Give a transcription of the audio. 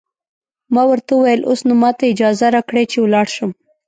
ما ورته وویل: اوس نو ماته اجازه راکړئ چې ولاړ شم.